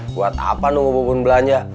buat apa nunggu pun belanja